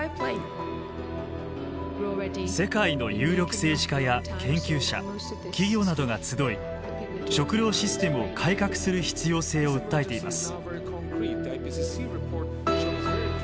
世界の有力政治家や研究者企業などが集い食料システムを改革する必要性を訴えています。